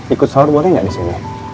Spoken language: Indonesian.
ikut saur boleh gak disini